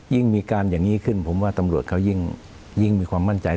ยิ่งมีการอย่างนี้ขึ้นผมว่าตำรวจเขายิ่งมีความมั่นใจ